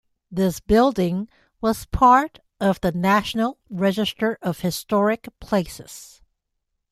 This building was part of the National Register of Historic Places.